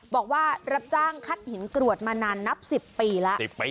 บอกว่ารับจ้างคัดหินกรวดมานานนับ๑๐ปีแล้ว